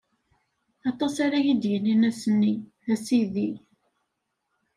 Aṭas ara yi-d-yinin ass-nni: A Sidi!